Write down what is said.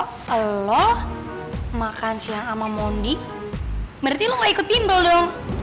kalo lo makan siang sama mondi berarti lo ga ikut bimbel dong